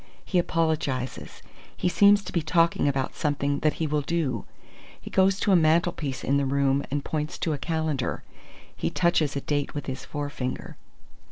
He apologizes. He seems to be talking about something that he will do. He goes to a mantelpiece in the room and points to a calendar. He touches a date with his forefinger."